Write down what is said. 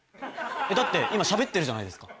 だって今しゃべってるじゃないですか。